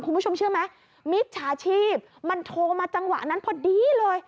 คุณผู้ชมเชื่อไหมมิจฉาชีพมันโทรมาจังหวะนั้นพอดีเลย